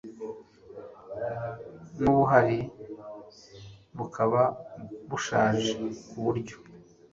n ubuhari bukaba bushaje ku buryo